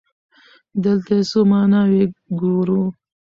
دلته يې څو ماناوې ګورو.